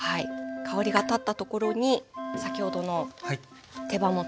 香りが立ったところに先ほどの手羽元いきます。